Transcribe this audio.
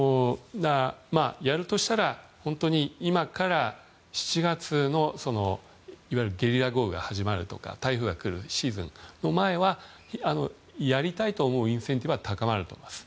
やるとしたら、本当に今から７月のいわゆるゲリラ豪雨が始まるとか台風が来るシーズンの前はやりたいと思うインセンティブは高まると思います。